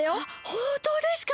ほんとうですか！？